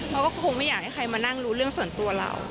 เราก็คงไม่อยากให้ใครมานั่งรู้เรื่องส่วนตัวเรา